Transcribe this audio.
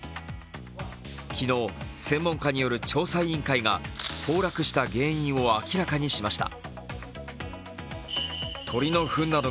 昨日専門家による調査委員会が崩落した原因を明らかにしました。